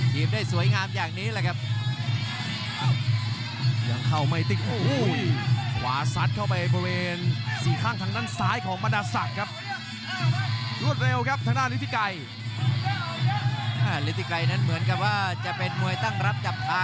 ได้สวยงามอย่างนี้แหละครับ